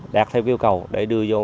đạt theo yêu cầu để đưa vô